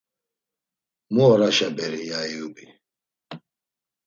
“Mu oraşa beri?” ya Eyubi.